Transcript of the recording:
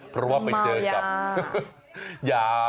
เพราะว่าไม่เจอกับงูเมายา